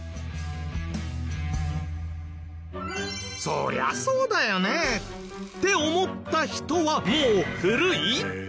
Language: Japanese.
そりゃそうだよねえって思った人はもう古い！？